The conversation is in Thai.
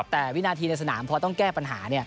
แต่วินาทีในสนามพอต้องแก้ปัญหา